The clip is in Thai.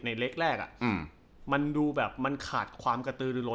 ในเรกแรกอ่ะอืมมันดูแบบมันขาดความกระตือหรือล้น